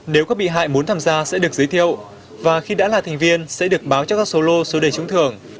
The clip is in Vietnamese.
nếu các bị hại muốn tham gia sẽ được giới thiệu và khi đã là thành viên sẽ được báo cho các số lô